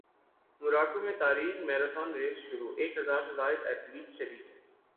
موراکو میں تاریخی marathon race شروع ایک ہزار سے زائد ایتھلیٹس شریک